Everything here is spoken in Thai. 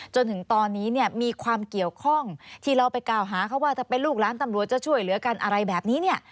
จนถึงตอนนี้เนี่ยมีความเกี่ยวข้องที่เราไปกล่าวหาเขาว่าถ้าเป็นลูกหลานตำรวจจะช่วยเหลือกันอะไรแบบนี้เนี่ย